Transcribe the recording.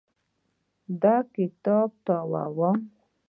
د کتاب پاڼې تاووم.